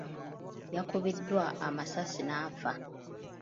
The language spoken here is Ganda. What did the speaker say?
Yakubiddwa amasasi n'afa.